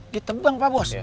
ditebang pak bos